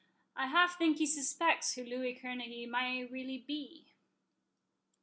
I half think he suspects who Louis Kerneguy may in reality be."